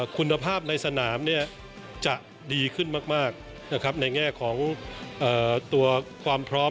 คุณภาพในสนามจะดีขึ้นมากในแง่ของตัวความพร้อม